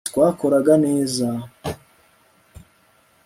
twakoraga neza